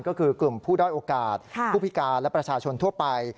ก็คือกลุ่มผู้ด้อยโอกาสผู้พิการและประชาชนทั่วไป